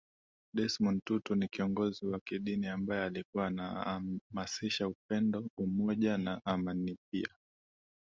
Desmond Tutu ni kiongozi wa kidini ambae alikuwa anaamasisha upendo umoja na amanipia